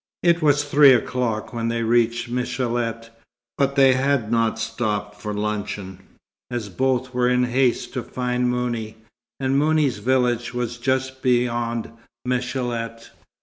It was three o'clock when they reached Michélet, but they had not stopped for luncheon, as both were in haste to find Mouni: and Mouni's village was just beyond Michélet.